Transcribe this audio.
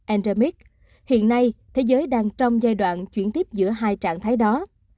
andremics hiện nay thế giới đang trong giai đoạn chuyển tiếp giữa hai trạng thái đó